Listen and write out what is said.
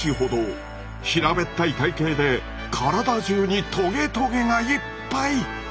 平べったい体形で体中にトゲトゲがいっぱい。